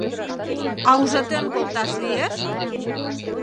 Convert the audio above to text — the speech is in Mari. А ужатен колташ лиеш?